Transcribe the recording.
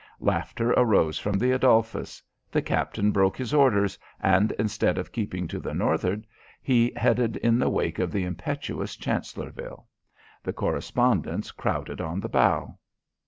Laughter arose from the Adolphus. The captain broke his orders, and, instead of keeping to the northward, he headed in the wake of the impetuous Chancellorville. The correspondents crowded on the bow.